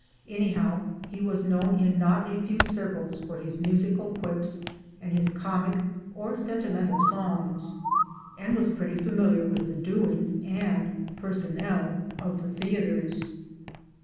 Anyhow he was known in not a few circles for his musical quips and his comic or sentimental songs ; and was pretty familiar with the doings and personnel of ii i62 MY DAYS AND DREAMS the theatres.